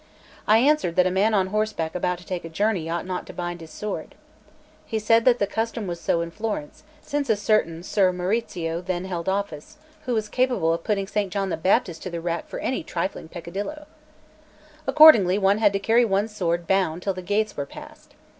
I answered that a man on horseback about to take a journey ought not to bind his sword. He said that the custom was so in Florence, since a certain Ser Maurizio then held office, who was capable of putting S. John the Baptist to the rack for any trifling peccadillo. Accordingly one had to carry one's sword bound till the gates were passed.